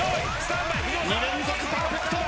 ２連続パーフェクト。